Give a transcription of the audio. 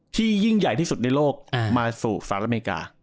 ยิ่งใหญ่ที่สุดในโลกมาสู่สหรัฐอเมริกา